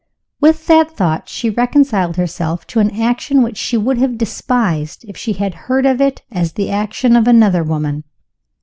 With that thought she reconciled herself to an action which she would have despised if she had heard of it as the action of another woman.